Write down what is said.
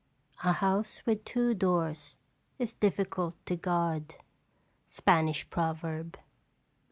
A house with two doors is difficult to guard. Spanish Proverb.